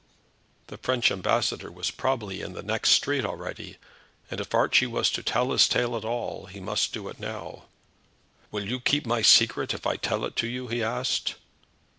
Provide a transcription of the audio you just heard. The French ambassador was probably in the next street already, and if Archie was to tell his tale at all he must do it now. "You will keep my secret if I tell it you?" he asked.